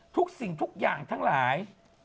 ทุกสิ่งทุกอย่างทั้งหลาย